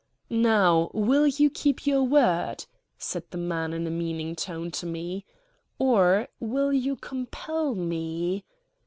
"Now, will you keep your word?" said the man in a meaning tone to me. "Or will you compel me